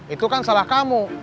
itu kan salah kamu